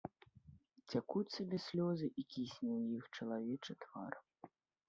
Цякуць сабе слёзы, і кісне ў іх чалавечы твар.